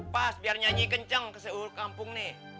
pas biar nyanyi kenceng ke seluruh kampung nih